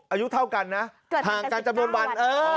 อายุเท่ากันนะห่างกันจำนวนวัน